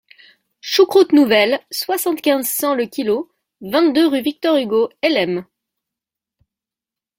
Choucroute nouvelle, soixante-quinze cent, le kil., vingt-deux, rue Victor-Hugo, Hellemmes.